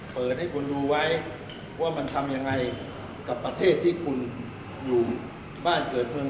เปิดให้คุณดูไว้ว่ามันทำยังไงกับประเทศที่คุณอยู่บ้านเกิดเมือง